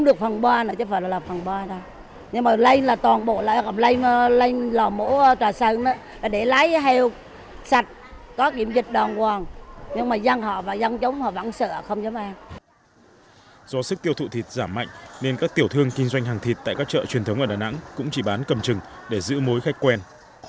do sức tiêu thụ thịt giảm mạnh nên các tiểu thương kinh doanh hàng thịt tại các chợ truyền thống ở đà nẵng cũng chỉ bán cầm chừng để giữ mối khách quen